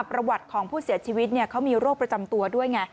ประวัติของผู้เสียชีวิตเขามีโรคประจำตัวด้วยไง